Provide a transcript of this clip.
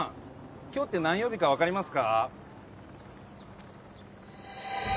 今日って何曜日か分かりますか？